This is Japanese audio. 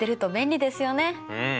うん。